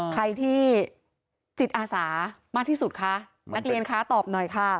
ใครที่จิตอาสามากที่สุดคะนักเรียนคะตอบหน่อยค่ะ